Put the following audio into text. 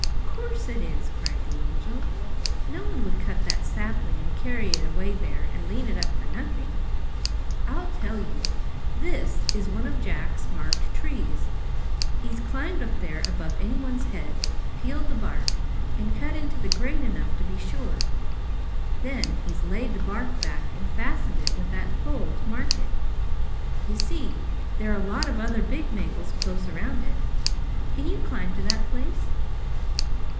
"Course it is!" cried the Angel. "No one would cut that sapling and carry it away there and lean it up for nothing. I'll tell you! This is one of Jack's marked trees. He's climbed up there above anyone's head, peeled the bark, and cut into the grain enough to be sure. Then he's laid the bark back and fastened it with that pole to mark it. You see, there're a lot of other big maples close around it. Can you climb to that place?"